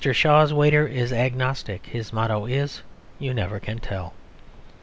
Shaw's waiter is agnostic; his motto is "You never can tell."